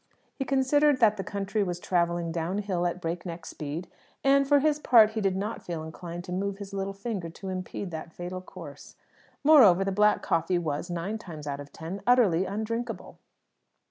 He considered that the country was travelling downhill at break neck speed, and, for his part, he did not feel inclined to move his little finger to impede that fatal course. Moreover, the black coffee was, nine times out of ten, utterly undrinkable.